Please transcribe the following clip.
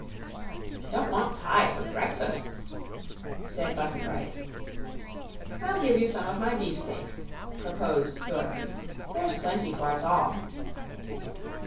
"Don't want pie for breakfus'," said Button Bright. "I'll give you some of my beefsteak," proposed Dorothy; "there's plenty for us all."